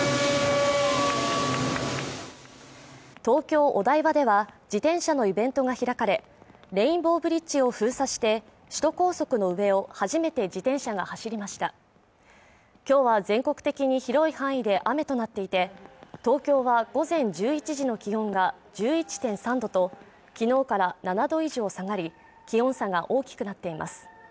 東京お台場では自転車のイベントが開かれレインボーブリッジを封鎖して首都高速の上を初めて自転車が走りました今日は全国的に広い範囲で雨となっていて東京は午前１１時の気温が１１．３度と昨日から７度以上下がり気温差が大きくなっています